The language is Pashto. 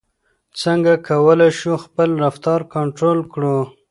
څنګه کولای شو خپل رفتار کنټرول کړو؟